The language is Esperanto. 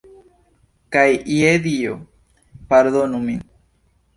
Kaj, je dio, pardonu min.